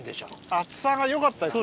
厚さがよかったです